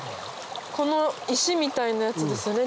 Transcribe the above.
この石みたいなやつですよね？